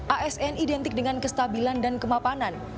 asn identik dengan kestabilan dan kemapanan